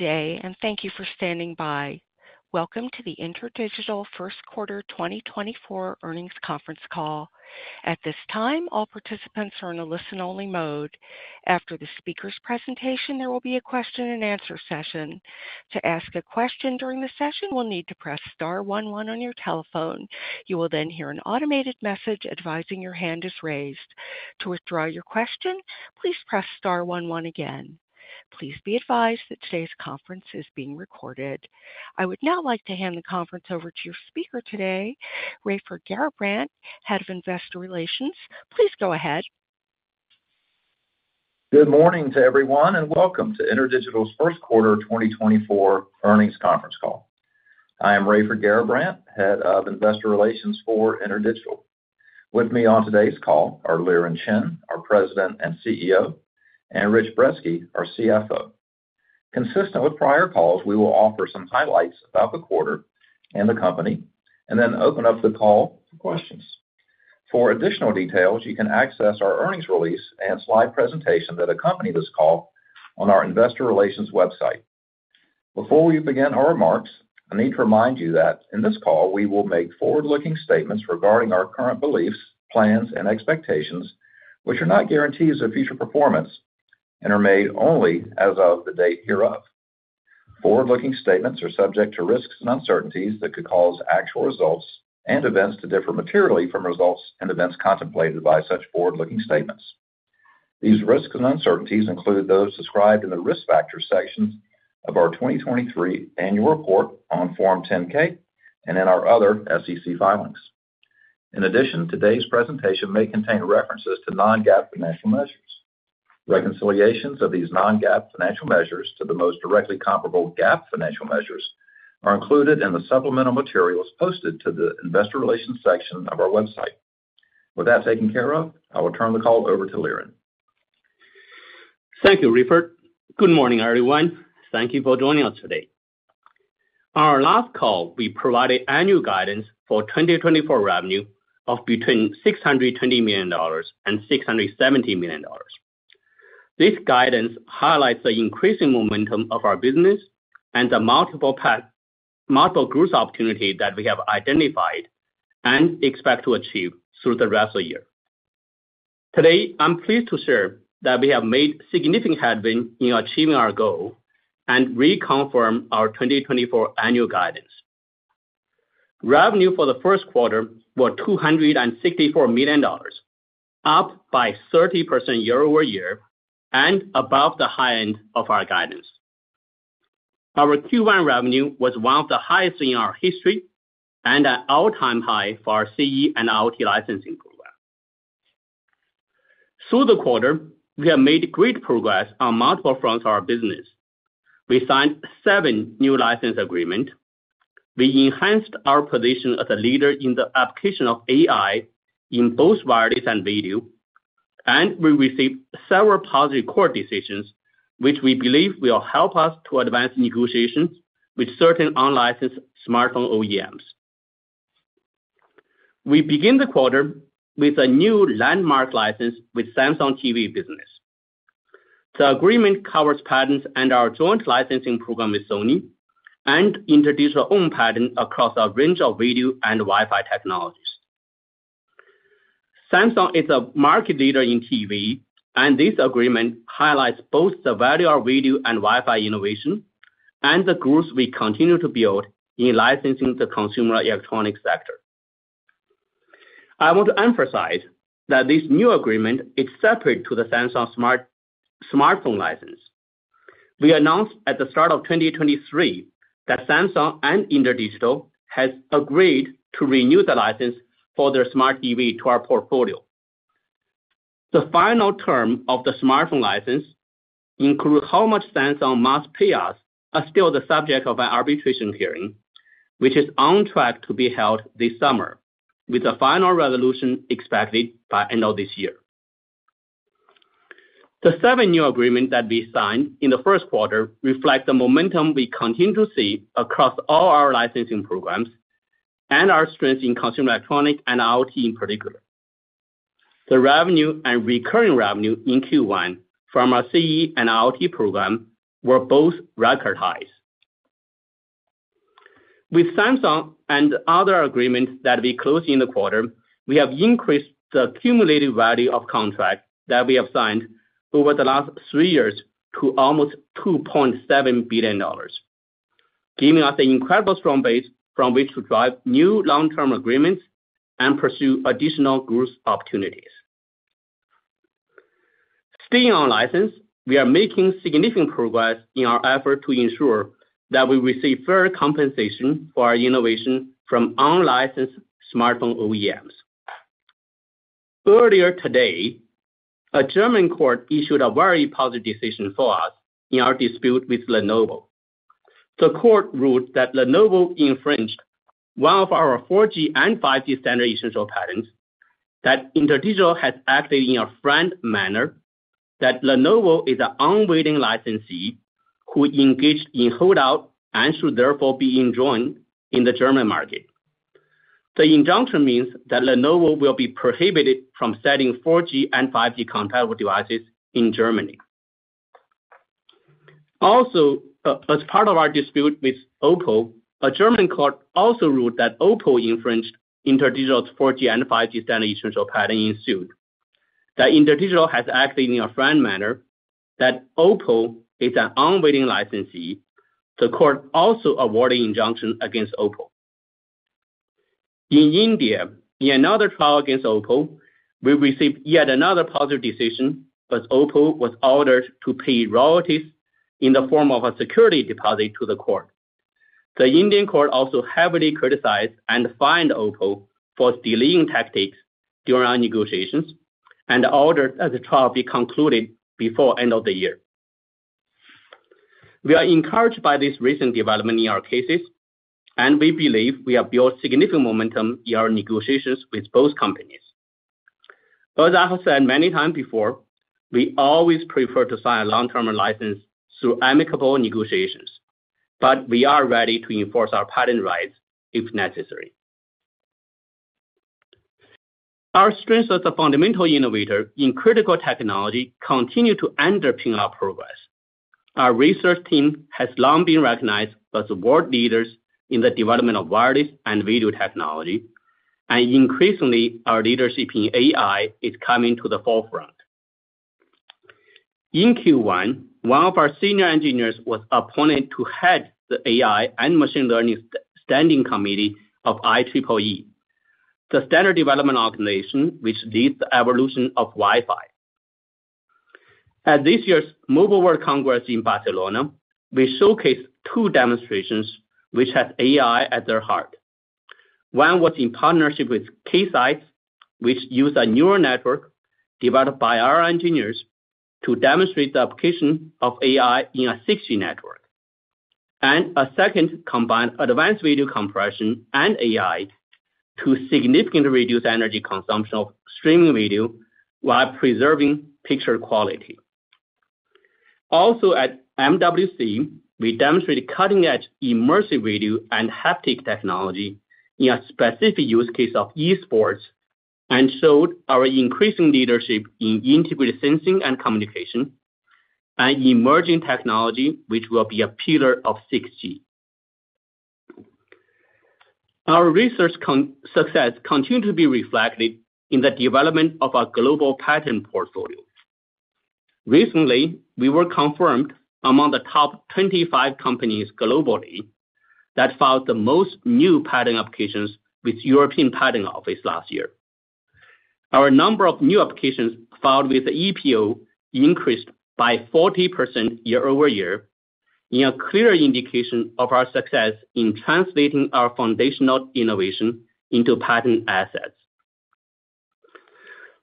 Day, and thank you for standing by. Welcome to the InterDigital First Quarter 2024 Earnings Conference Call. At this time, all participants are in a listen-only mode. After the speaker's presentation, there will be a question-and-answer session. To ask a question during the session, you will need to press star one one on your telephone. You will then hear an automated message advising your hand is raised. To withdraw your question, please press star one one again. Please be advised that today's conference is being recorded. I would now like to hand the conference over to your speaker today, Raiford Garrabrant, Head of Investor Relations. Please go ahead. Good morning to everyone, and welcome to InterDigital's First Quarter 2024 Earnings Conference Call. I am Raiford Garrabrant, Head of Investor Relations for InterDigital. With me on today's call are Liren Chen, our President and CEO, and Rich Brezski, our CFO. Consistent with prior calls, we will offer some highlights about the quarter and the company, and then open up the call for questions. For additional details, you can access our earnings release and slide presentation that accompany this call on our investor relations website. Before we begin our remarks, I need to remind you that in this call, we will make forward-looking statements regarding our current beliefs, plans, and expectations, which are not guarantees of future performance and are made only as of the date hereof. Forward-looking statements are subject to risks and uncertainties that could cause actual results and events to differ materially from results and events contemplated by such forward-looking statements. These risks and uncertainties include those described in the risk factors sections of our 2023 annual report on Form 10-K and in our other SEC filings. In addition, today's presentation may contain references to non-GAAP financial measures. Reconciliations of these non-GAAP financial measures to the most directly comparable GAAP financial measures are included in the supplemental materials posted to the investor relations section of our website. With that taken care of, I will turn the call over to Liren. Thank you, Raiford. Good morning, everyone. Thank you for joining us today. On our last call, we provided annual guidance for 2024 revenue of between $620 million-$670 million. This guidance highlights the increasing momentum of our business and the multiple growth opportunities that we have identified and expect to achieve through the rest of the year. Today, I'm pleased to share that we have made significant headway in achieving our goal and reconfirm our 2024 annual guidance. Revenue for the first quarter was $264 million, up by 30% year-over-year and above the high end of our guidance. Our Q1 revenue was one of the highest in our history and an all-time high for our CE and IoT licensing program. Through the quarter, we have made great progress on multiple fronts of our business. We signed seven new license agreements. We enhanced our position as a leader in the application of AI in both wireless and video, and we received several positive court decisions, which we believe will help us to advance negotiations with certain unlicensed smartphone OEMs. We begin the quarter with a new landmark license with Samsung TV business. The agreement covers patents and our joint licensing program with Sony and InterDigital-owned patents across a range of video and Wi-Fi technologies. Samsung is a market leader in TV, and this agreement highlights both the value of video and Wi-Fi innovation and the growth we continue to build in licensing the consumer electronics sector. I want to emphasize that this new agreement is separate from the Samsung smartphone license. We announced at the start of 2023 that Samsung and InterDigital have agreed to renew the license for their smart TV to our portfolio. The final term of the smartphone license includes how much Samsung must pay us is still the subject of an arbitration hearing, which is on track to be held this summer, with a final resolution expected by the end of this year. The seven new agreements that we signed in the first quarter reflect the momentum we continue to see across all our licensing programs and our strengths in consumer electronics and IoT in particular. The revenue and recurring revenue in Q1 from our CE and IoT program were both record highs. With Samsung and other agreements that we closed in the quarter, we have increased the accumulated value of contracts that we have signed over the last three years to almost $2.7 billion, giving us an incredibly strong base from which to drive new long-term agreements and pursue additional growth opportunities. Staying on license, we are making significant progress in our effort to ensure that we receive fair compensation for our innovation from unlicensed smartphone OEMs. Earlier today, a German court issued a very positive decision for us in our dispute with Lenovo. The court ruled that Lenovo infringed one of our 4G and 5G standard essential patents, that InterDigital has acted in a friendly manner, that Lenovo is an unwilling licensee who engaged in holdout and should therefore be enjoined in the German market. The injunction means that Lenovo will be prohibited from selling 4G and 5G compatible devices in Germany. Also, as part of our dispute with OPPO, a German court also ruled that OPPO infringed InterDigital's 4G and 5G standard essential patent in suit, that InterDigital has acted in a friendly manner, that OPPO is an unwilling licensee. The court also awarded an injunction against OPPO. In India, in another trial against OPPO, we received yet another positive decision, but OPPO was ordered to pay royalties in the form of a security deposit to the court. The Indian court also heavily criticized and fined OPPO for delaying tactics during our negotiations and ordered that the trial be concluded before the end of the year. We are encouraged by this recent development in our cases, and we believe we have built significant momentum in our negotiations with both companies. As I have said many times before, we always prefer to sign a long-term license through amicable negotiations, but we are ready to enforce our patent rights if necessary. Our strengths as a fundamental innovator in critical technology continue to underpin our progress. Our research team has long been recognized as world leaders in the development of wireless and video technology, and increasingly, our leadership in AI is coming to the forefront. In Q1, one of our senior engineers was appointed to head the AI and machine learning standing committee of IEEE, the Standard Development Organization, which leads the evolution of Wi-Fi. At this year's Mobile World Congress in Barcelona, we showcased two demonstrations which have AI at their heart. One was in partnership with Keysight, which used a neural network developed by our engineers to demonstrate the application of AI in a 6G network, and a second combined advanced video compression and AI to significantly reduce energy consumption of streaming video while preserving picture quality. Also, at MWC, we demonstrated cutting-edge immersive video and haptic technology in a specific use case of esports and showed our increasing leadership in integrated sensing and communication, an emerging technology which will be a pillar of 6G. Our research success continues to be reflected in the development of our global patent portfolio. Recently, we were confirmed among the top 25 companies globally that filed the most new patent applications with the European Patent Office last year. Our number of new applications filed with the EPO increased by 40% year-over-year, in a clear indication of our success in translating our foundational innovation into patent assets.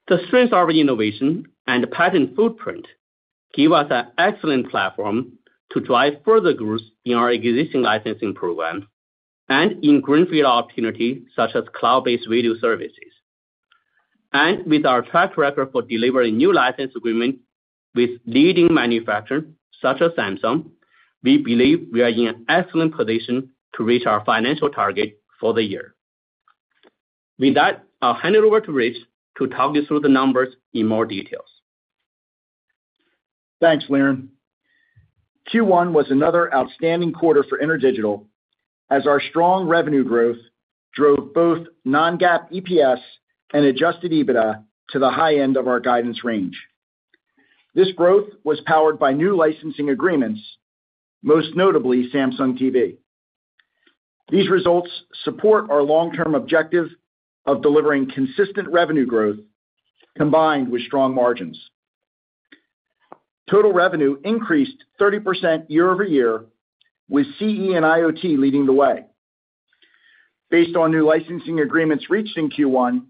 The strengths of our innovation and patent footprint give us an excellent platform to drive further growth in our existing licensing program and in greenfield opportunities such as cloud-based video services. With our track record for delivering new license agreements with leading manufacturers such as Samsung, we believe we are in an excellent position to reach our financial target for the year. With that, I'll hand it over to Rich to talk you through the numbers in more details. Thanks, Liren. Q1 was another outstanding quarter for InterDigital as our strong revenue growth drove both non-GAAP EPS and Adjusted EBITDA to the high end of our guidance range. This growth was powered by new licensing agreements, most notably Samsung TV. These results support our long-term objective of delivering consistent revenue growth combined with strong margins. Total revenue increased 30% year-over-year, with CE and IoT leading the way. Based on new licensing agreements reached in Q1,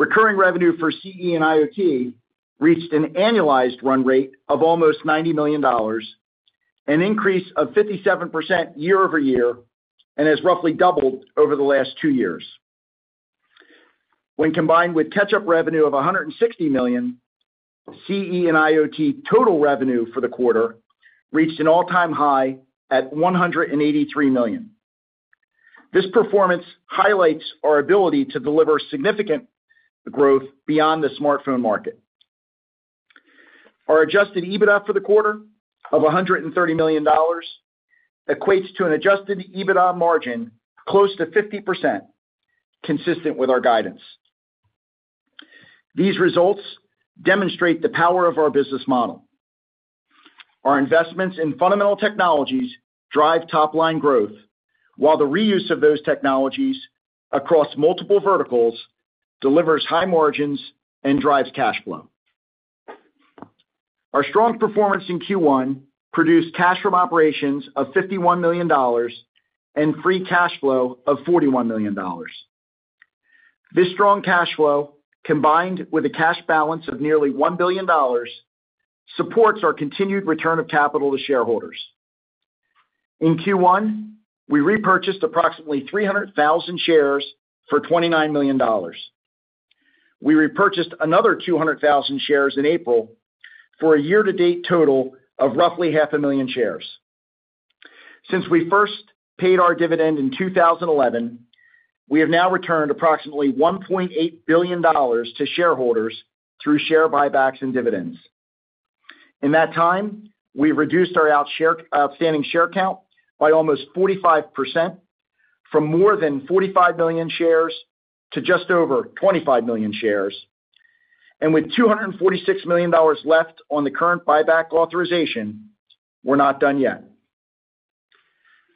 recurring revenue for CE and IoT reached an annualized run rate of almost $90 million, an increase of 57% year-over-year, and has roughly doubled over the last two years. When combined with catch-up revenue of $160 million, CE and IoT total revenue for the quarter reached an all-time high at $183 million. This performance highlights our ability to deliver significant growth beyond the smartphone market. Our adjusted EBITDA for the quarter of $130 million equates to an Adjusted EBITDA margin close to 50%, consistent with our guidance. These results demonstrate the power of our business model. Our investments in fundamental technologies drive top-line growth, while the reuse of those technologies across multiple verticals delivers high margins and drives cash flow. Our strong performance in Q1 produced cash from operations of $51 million and free cash flow of $41 million. This strong cash flow, combined with a cash balance of nearly $1 billion, supports our continued return of capital to shareholders. In Q1, we repurchased approximately 300,000 shares for $29 million. We repurchased another 200,000 shares in April for a year-to-date total of roughly 500,000 shares. Since we first paid our dividend in 2011, we have now returned approximately $1.8 billion to shareholders through share buybacks and dividends. In that time, we reduced our outstanding share count by almost 45%, from more than 45 million shares to just over 25 million shares. And with $246 million left on the current buyback authorization, we're not done yet.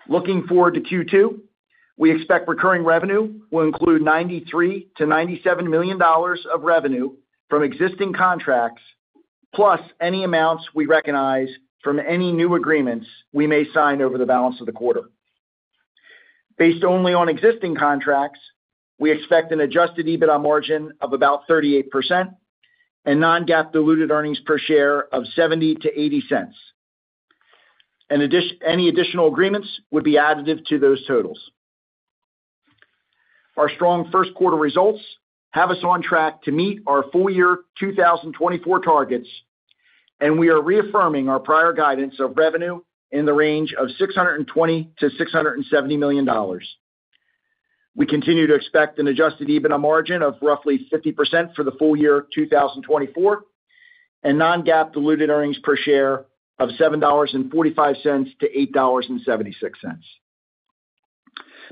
Looking forward to Q2, we expect recurring revenue will include $93-$97 million of revenue from existing contracts, plus any amounts we recognize from any new agreements we may sign over the balance of the quarter. Based only on existing contracts, we expect an Adjusted EBITDA margin of about 38% and non-GAAP diluted earnings per share of $0.70-$0.80. Any additional agreements would be additive to those totals. Our strong first-quarter results have us on track to meet our full-year 2024 targets, and we are reaffirming our prior guidance of revenue in the range of $620 million-$670 million. We continue to expect an Adjusted EBITDA margin of roughly 50% for the full year 2024 and non-GAAP diluted earnings per share of $7.45-$8.76.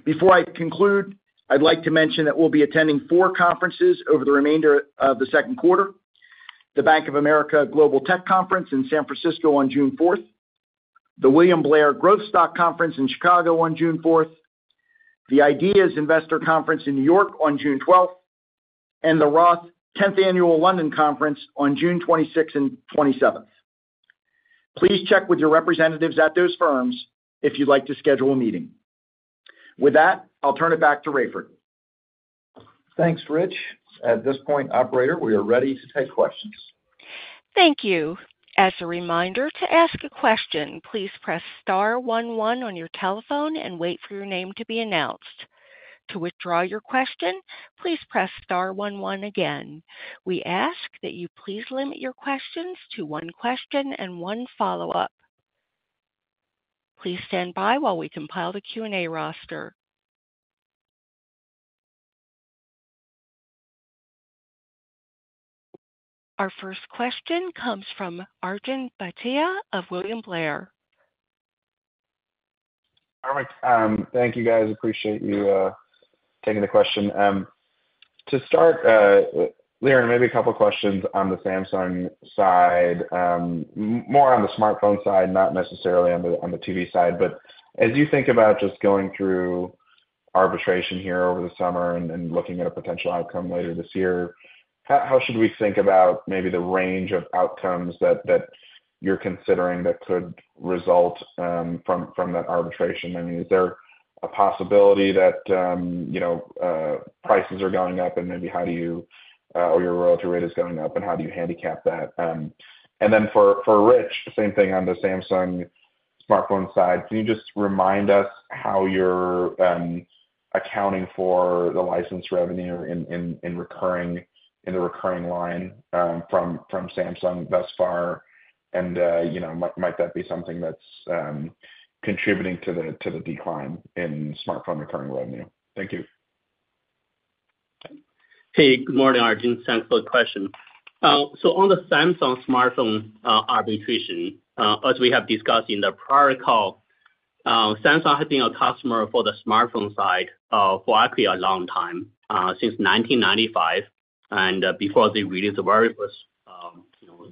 Before I conclude, I'd like to mention that we'll be attending four conferences over the remainder of the second quarter: the Bank of America Global Tech Conference in San Francisco on June 4th, the William Blair Growth Stock Conference in Chicago on June 4th, the IDEAS Investor Conference in New York on June 12th, and the Roth 10th Annual London Conference on June 26th and 27th. Please check with your representatives at those firms if you'd like to schedule a meeting. With that, I'll turn it back to Raiford. Thanks, Rich. At this point, operator, we are ready to take questions. Thank you. As a reminder, to ask a question, please press star one one on your telephone and wait for your name to be announced. To withdraw your question, please press star one one again. We ask that you please limit your questions to one question and one follow-up. Please stand by while we compile the Q&A roster. Our first question comes from Arjun Bhatia of William Blair. All right. Thank you, guys. Appreciate you taking the question. To start, Liren, maybe a couple of questions on the Samsung side, more on the smartphone side, not necessarily on the TV side. But as you think about just going through arbitration here over the summer and looking at a potential outcome later this year, how should we think about maybe the range of outcomes that you're considering that could result from that arbitration? I mean, is there a possibility that prices are going up, and maybe how do you or your royalty rate is going up, and how do you handicap that? And then for Rich, same thing on the Samsung smartphone side. Can you just remind us how you're accounting for the license revenue in the recurring line from Samsung thus far? And might that be something that's contributing to the decline in smartphone recurring revenue? Thank you. Hey. Good morning, Arjun. Thanks for the question. So on the Samsung smartphone arbitration, as we have discussed in the prior call, Samsung has been a customer for the smartphone side for actually a long time, since 1995 and before they released the very first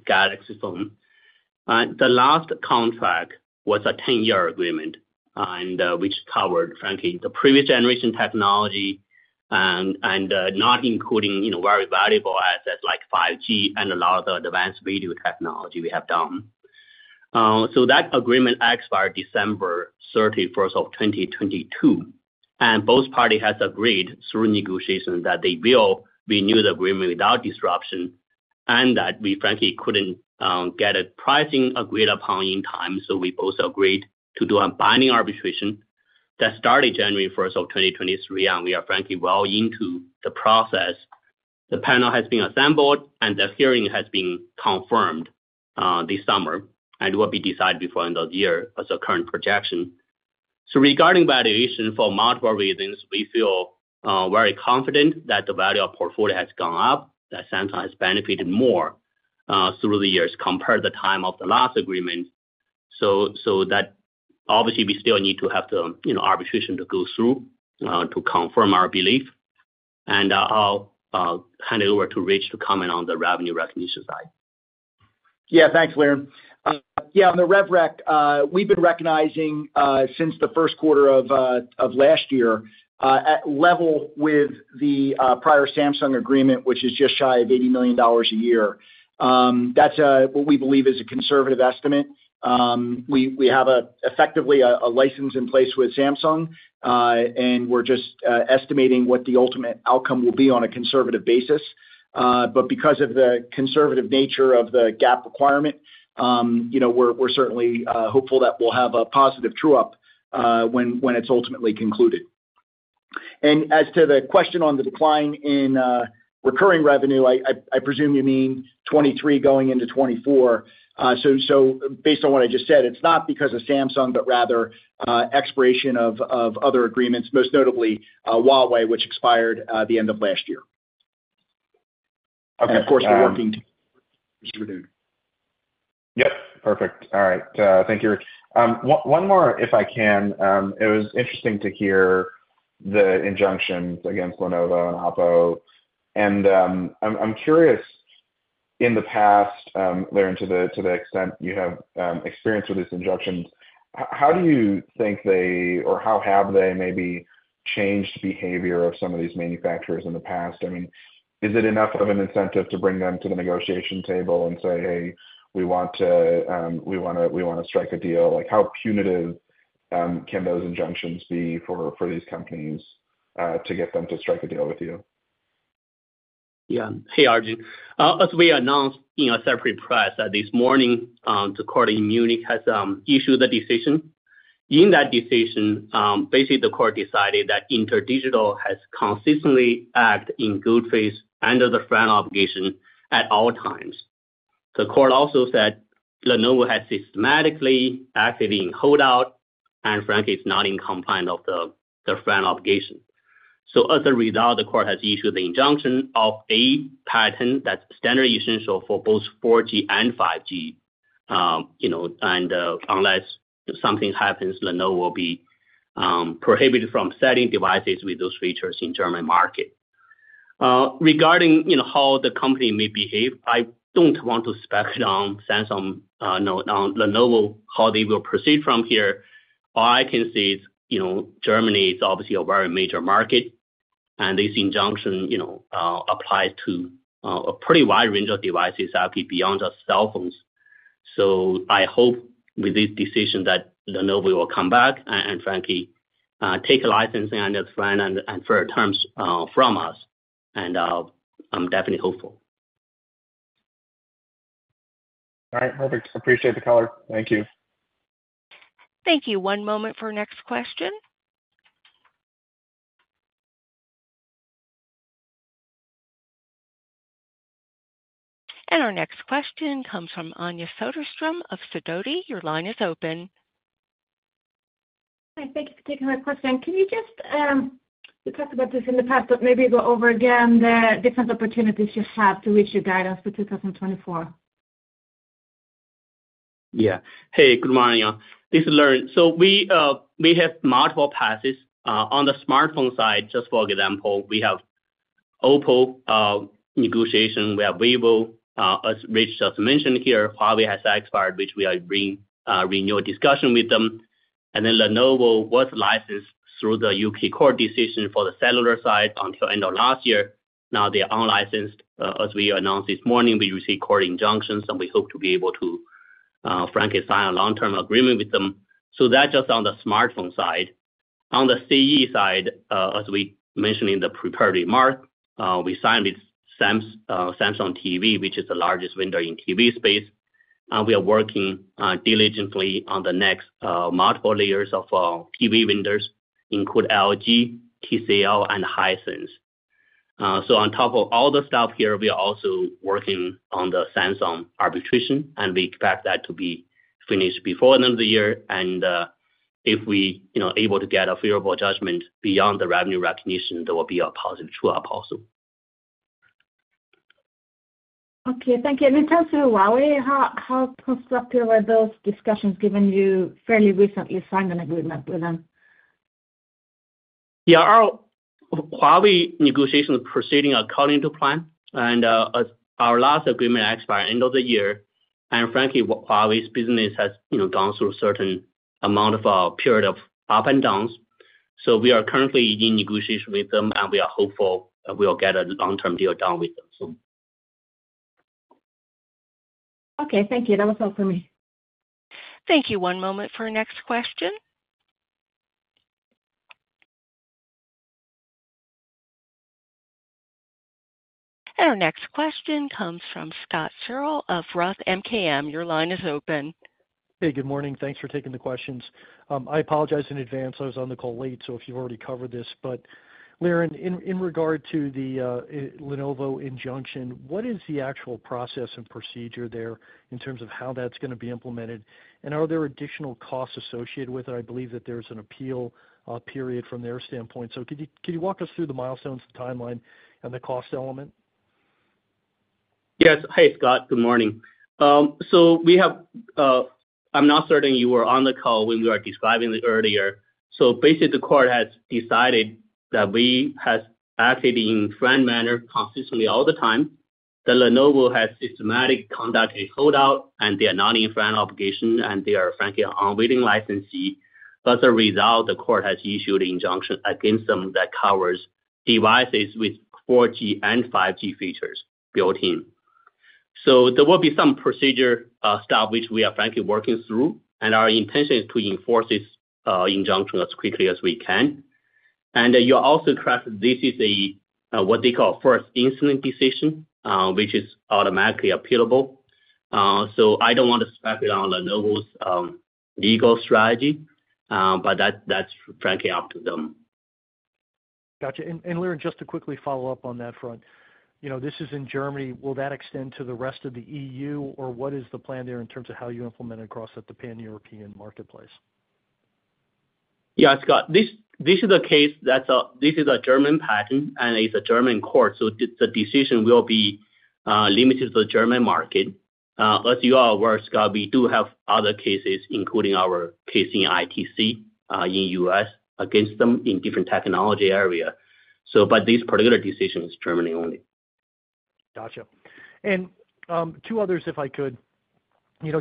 Galaxy phone. The last contract was a 10-year agreement, which covered, frankly, the previous generation technology and not including very valuable assets like 5G and a lot of the advanced video technology we have done. So that agreement expired December 31st of 2022, and both parties have agreed through negotiation that they will renew the agreement without disruption and that we, frankly, couldn't get a pricing agreed upon in time. So we both agreed to do a binding arbitration that started January 1st of 2023, and we are, frankly, well into the process. The panel has been assembled, and the hearing has been confirmed this summer and will be decided before the end of the year as a current projection. So regarding valuation, for multiple reasons, we feel very confident that the value of portfolio has gone up, that Samsung has benefited more through the years compared to the time of the last agreement. So obviously, we still need to have the arbitration to go through to confirm our belief. And I'll hand it over to Rich to comment on the revenue recognition side. Yeah. Thanks, Liren. Yeah. On the RevRec, we've been recognizing since the first quarter of last year at level with the prior Samsung agreement, which is just shy of $80 million a year. That's what we believe is a conservative estimate. We have effectively a license in place with Samsung, and we're just estimating what the ultimate outcome will be on a conservative basis. But because of the conservative nature of the GAAP requirement, we're certainly hopeful that we'll have a positive true-up when it's ultimately concluded. And as to the question on the decline in recurring revenue, I presume you mean 2023 going into 2024. So based on what I just said, it's not because of Samsung, but rather expiration of other agreements, most notably Huawei, which expired the end of last year. Of course, we're working to. Yep. Perfect. All right. Thank you, Rich. One more, if I can. It was interesting to hear the injunctions against Lenovo and OPPO. And I'm curious, in the past, Liren, to the extent you have experience with these injunctions, how do you think they or how have they maybe changed the behavior of some of these manufacturers in the past? I mean, is it enough of an incentive to bring them to the negotiation table and say, "Hey, we want to strike a deal"? How punitive can those injunctions be for these companies to get them to strike a deal with you? Yeah. Hey, Arjun. As we announced in a separate press this morning, the court in Munich has issued the decision. In that decision, basically, the court decided that InterDigital has consistently acted in good faith under the FRAND obligation at all times. The court also said Lenovo has systematically acted in holdout and, frankly, is not in compliance with the FRAND obligation. So as a result, the court has issued the injunction of a patent that's standard essential for both 4G and 5G. And unless something happens, Lenovo will be prohibited from selling devices with those features in the German market. Regarding how the company may behave, I don't want to speculate on Lenovo, how they will proceed from here. All I can say is Germany is obviously a very major market, and this injunction applies to a pretty wide range of devices, actually beyond just cell phones. I hope with this decision that Lenovo will come back and, frankly, take a license under the FRAND terms from us. I'm definitely hopeful. All right. Perfect. Appreciate the caller. Thank you. Thank you. One moment for our next question. Our next question comes from Anja Soderstrom of Sidoti. Your line is open. Hi. Thank you for taking my question. Can you just, we talked about this in the past, but maybe go over again the different opportunities you have to reach your guidance for 2024? Yeah. Hey. Good morning, Anja. This is Liren. So we have multiple passes. On the smartphone side, just for example, we have OPPO negotiation. We have Vivo, as Rich just mentioned here. Huawei has expired, which we are renewing discussion with them. And then Lenovo was licensed through the U.K. court decision for the cellular side until the end of last year. Now they are unlicensed. As we announced this morning, we received court injunctions, and we hope to be able to, frankly, sign a long-term agreement with them. So that's just on the smartphone side. On the CE side, as we mentioned in the preparatory month, we signed with Samsung TV, which is the largest vendor in TV space. And we are working diligently on the next multiple layers of TV vendors, including LG, TCL, and Hisense. On top of all the stuff here, we are also working on the Samsung arbitration, and we expect that to be finished before the end of the year. If we are able to get a favorable judgment beyond the revenue recognition, there will be a positive true-up also. Okay. Thank you. And in terms of Huawei, how constructive are those discussions given you fairly recently signed an agreement with them? Yeah. Our Huawei negotiations are proceeding according to plan. Our last agreement expired at the end of the year. Frankly, Huawei's business has gone through a certain amount of period of ups and downs. We are currently in negotiation with them, and we are hopeful we will get a long-term deal done with them, so. Okay. Thank you. That was all for me. Thank you. One moment for our next question. Our next question comes from Scott Searle of Roth MKM. Your line is open. Hey. Good morning. Thanks for taking the questions. I apologize in advance. I was on the call late, so if you've already covered this, but Liren, in regard to the Lenovo injunction, what is the actual process and procedure there in terms of how that's going to be implemented? And are there additional costs associated with it? I believe that there's an appeal period from their standpoint. So could you walk us through the milestones, the timeline, and the cost element? Yes. Hey, Scott. Good morning. So I'm not certain you were on the call when we were describing it earlier. So basically, the court has decided that we have acted in FRAND manner consistently all the time, that Lenovo has systematically conducted holdout, and they are not in FRAND obligation, and they are, frankly, unwilling licensee. As a result, the court has issued an injunction against them that covers devices with 4G and 5G features built-in. So there will be some procedure stuff which we are, frankly, working through, and our intention is to enforce this injunction as quickly as we can. And you're also correct, this is what they call a first instance decision, which is automatically appealable. So I don't want to speculate on Lenovo's legal strategy, but that's, frankly, up to them. Gotcha. Liren, just to quickly follow up on that front, this is in Germany. Will that extend to the rest of the EU, or what is the plan there in terms of how you implement it across the pan-European marketplace? Yeah, Scott. This is a case that's a German patent, and it's a German court. So the decision will be limited to the German market. As you are aware, Scott, we do have other cases, including our case in ITC in the U.S. against them in different technology areas. But this particular decision is Germany only. Gotcha. Two others, if I could.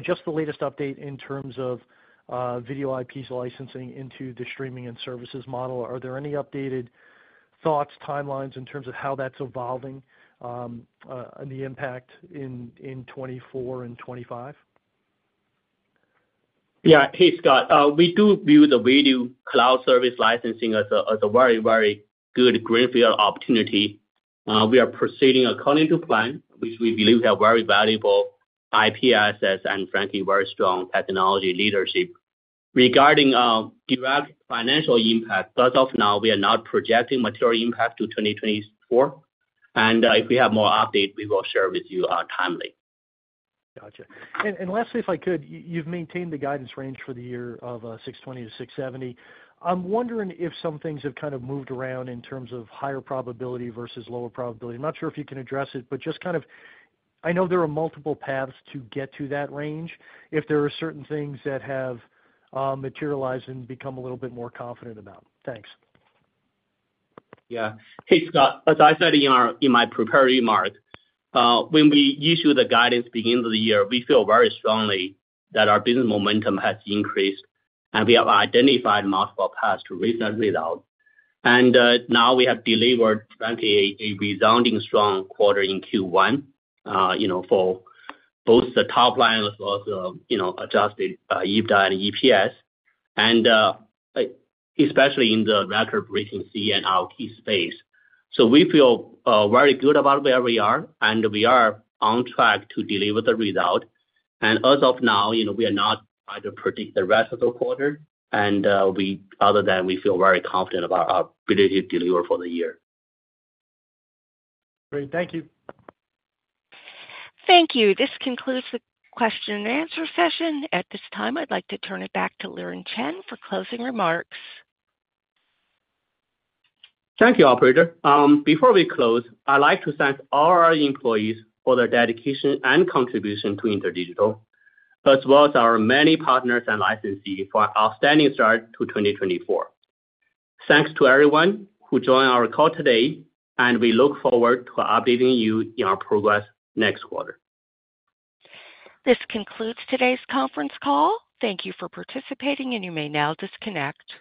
Just the latest update in terms of video IPs licensing into the streaming and services model. Are there any updated thoughts, timelines in terms of how that's evolving and the impact in 2024 and 2025? Yeah. Hey, Scott. We do view the video cloud service licensing as a very, very good greenfield opportunity. We are proceeding according to plan, which we believe we have very valuable IP assets and, frankly, very strong technology leadership. Regarding direct financial impact, as of now, we are not projecting material impact to 2024. If we have more updates, we will share with you timely. Gotcha. And lastly, if I could, you've maintained the guidance range for the year of $620-$670. I'm wondering if some things have kind of moved around in terms of higher probability versus lower probability. I'm not sure if you can address it, but just kind of I know there are multiple paths to get to that range if there are certain things that have materialized and become a little bit more confident about. Thanks. Yeah. Hey, Scott. As I said in my prepared remarks, when we issued the guidance beginning of the year, we feel very strongly that our business momentum has increased, and we have identified multiple paths to reset readout. And now we have delivered, frankly, a resounding strong quarter in Q1 for both the top line as well as the adjusted EBITDA and EPS, and especially in the record-breaking CE and IoT space. So we feel very good about where we are, and we are on track to deliver the results. And as of now, we are not trying to predict the rest of the quarter. And other than that, we feel very confident about our ability to deliver for the year. Great. Thank you. Thank you. This concludes the question-and-answer session. At this time, I'd like to turn it back to Liren Chen for closing remarks. Thank you, operator. Before we close, I'd like to thank all our employees for their dedication and contribution to InterDigital, as well as our many partners and licensees for an outstanding start to 2024. Thanks to everyone who joined our call today, and we look forward to updating you in our progress next quarter. This concludes today's conference call. Thank you for participating, and you may now disconnect.